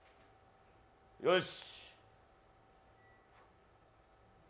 よし！